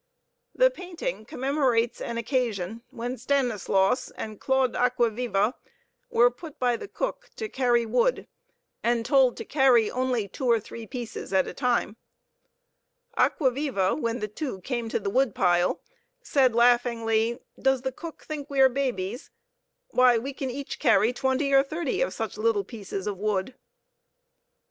The painting commemorates an occasion when Stanislaus and Claude Acquaviva were put by the cook to carry wood and told to carry only two or three pieces at a time. Acquaviva, when the two came to the wood pile, said laughingly: "Does the cook think we are babies? Why, we can each carry twenty or thirty of such little pieces of wood."